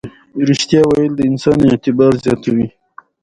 ازادي راډیو د سوداګریز تړونونه په اړه د نوښتونو خبر ورکړی.